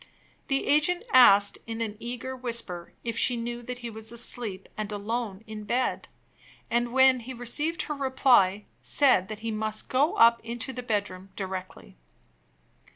The agent asked in an eager whisper if she knew that he was asleep, and alone in bed? and, when he received her reply, said that he must go up into the bedroom directly.